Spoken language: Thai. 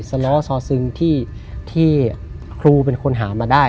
ล้อซอซึงที่ครูเป็นคนหามาได้